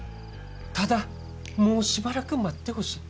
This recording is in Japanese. ただもうしばらく待ってほしい。